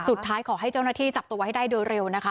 สุดท้ายขอให้เจ้าหน้าที่จับตัวให้ได้โดยเร็วนะคะ